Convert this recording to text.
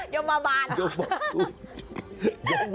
ยมมาบาน